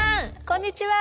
こんにちは。